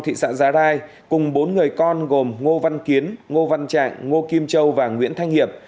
thị xã giá rai cùng bốn người con gồm ngô văn kiến ngô văn trạng ngô kim châu và nguyễn thanh hiệp